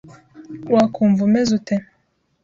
Wakumva umeze ute?